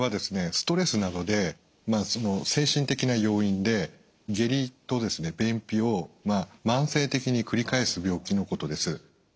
ストレスなどで精神的な要因で下痢と便秘を慢性的に繰り返す病気のことです。